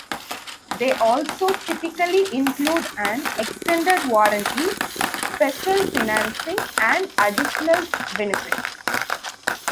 They also typically include an extended warranty, special financing, and additional benefits.